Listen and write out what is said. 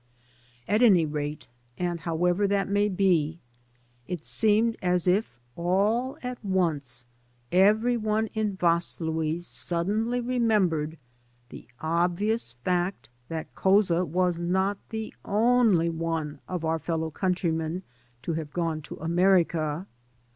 At any rate, and however that may be, it seemed as if all at once every one in Vaslui suddenly remembered the obvious fact that Couza was not the only one of our fellow countrymen to have gone to America.